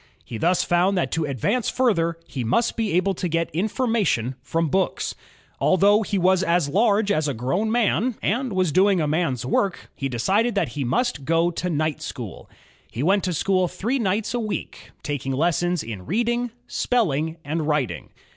He thus found that to advance further, he must be able to get information from books. Although he was as large as a grown man, GEORGE STEPHENSON 53 and was doing a man's work, he decided that he must go to night school. He went to school three nights a week, taking lessons in reading, spelling, and writing.